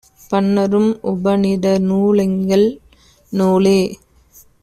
பன்னரும் உபநிடநூ லெங்கள் நூலே